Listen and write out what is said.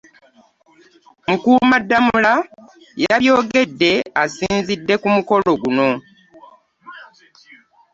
Mukuumaddamula yabyogedde asinzidde ku mukolo guno.